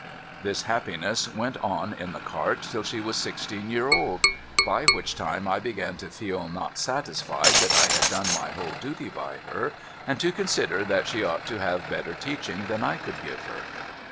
This happiness went on in the cart till she was sixteen year old. By which time I began to feel not satisfied that I had done my whole duty by her, and to consider that she ought to have better teaching than I could give her.